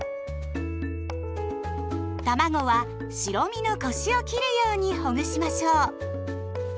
たまごは白身のコシを切るようにほぐしましょう。